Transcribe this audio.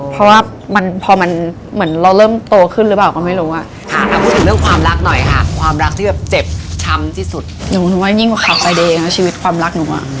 เพราะว่าพอเหมือนเราเริ่มโตขึ้นหรือเปล่าก็ไม่รู้อะ